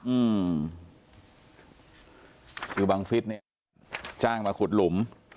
อืมคือบังฟิศเนี่ยจ้างมาขุดหลุม